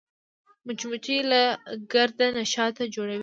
مچمچۍ له ګرده نه شات جوړوي